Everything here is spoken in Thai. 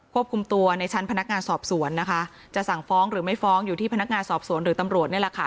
ควบคุมตัวในชั้นพนักงานสอบสวนนะคะจะสั่งฟ้องหรือไม่ฟ้องอยู่ที่พนักงานสอบสวนหรือตำรวจนี่แหละค่ะ